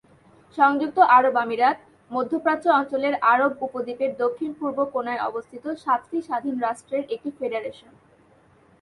সংযুক্ত আরব আমিরাত মধ্যপ্রাচ্য অঞ্চলের আরব উপদ্বীপের দক্ষিণ-পূর্ব কোনায় অবস্থিত সাতটি স্বাধীন রাষ্ট্রের একটি ফেডারেশন।